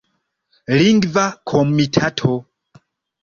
Lingva Komitato.